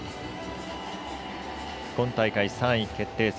今大会３位決定戦。